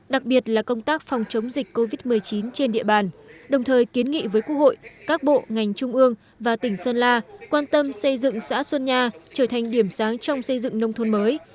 đặc biệt là công tác phòng chống dịch covid một mươi chín trên địa bàn đồng thời kiến nghị với quốc hội các bộ ngành trung ương và tỉnh sơn la quan tâm xây dựng xã xuân nha trở thành điểm sáng trong xây dựng nông thôn mới